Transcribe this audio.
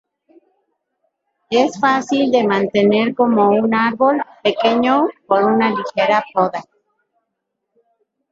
Es fácil de mantener como un árbol pequeño por una ligera poda.